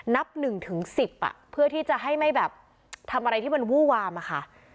นับ๑๑๐เพื่อที่จะให้ไม่แบบทำอะไรที่มันวู้วามอะค่ะ